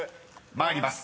［参ります。